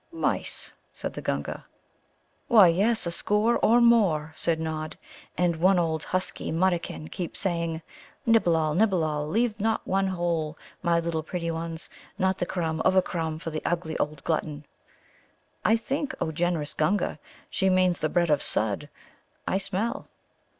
"Mice?" said the Gunga. "Why, yes; a score or more," said Nod. "And one old husky Muttakin keeps saying, 'Nibble all, nibble all; leave not one whole, my little pretty ones not the crumb of a crumb for the ugly old glutton.' I think, O generous Gunga, she means the bread of Sudd, I smell."